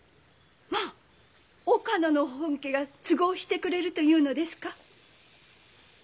まあ岡野の本家が都合してくれるというのですか？